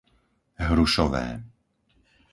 Hrušové